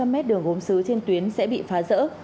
sáu trăm linh m đường gốm xứ trên tuyến sẽ bị phá rỡ